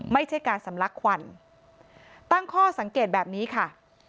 ไม่ใช่การสำลักควันตั้งข้อสังเกตแบบนี้ค่ะ